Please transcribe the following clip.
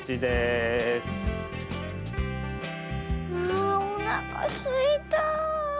あおなかすいた。